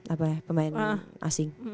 apa ya pemain asing